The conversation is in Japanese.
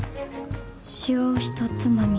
塩ひとつまみ。